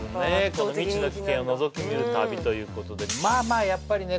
この未知の危険を覗き見る旅ということでまあまあやっぱりね